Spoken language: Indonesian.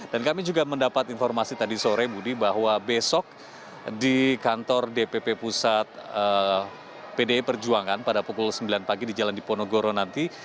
dan kami juga mendapat informasi tadi sore budi bahwa besok di kantor dpp pusat pdi perjuangan pada pukul sembilan pagi di jalan diponogoro nanti